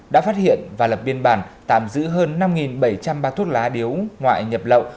đã phát hiện và lập biên bản tạm giữ hơn năm bảy trăm linh bao thuốc lá điếu ngoại nhập lậu